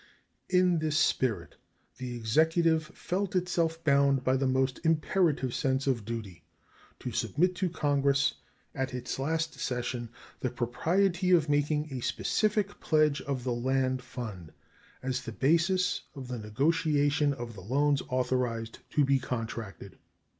In this spirit the Executive felt itself bound by the most imperative sense of duty to submit to Congress at its last session the propriety of making a specific pledge of the land fund as the basis for the negotiation of the loans authorized to be contracted.